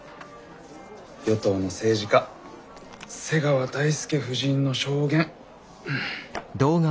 与党の政治家瀬川大介夫人の証言。